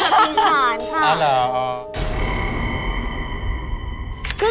พูดง่ายค่ะเอ้าเหรอ